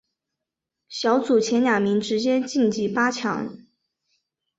小组前两名直接晋级八强。